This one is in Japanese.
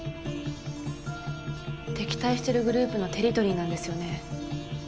敵対してるグループのテリトリーなんですよね。